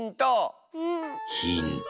ヒント。